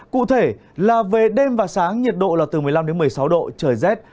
cụ thể là về đêm và sáng nhiệt độ là từ một mươi năm đến một mươi sáu độ trời rét